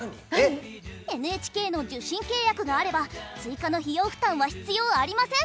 ＮＨＫの受信契約があれば追加の費用負担は必要ありません。